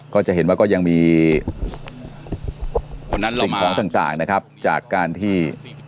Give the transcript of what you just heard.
ก็จะเห็นว่าก็ยังมีสิ่งของต่างนะครับจากการที่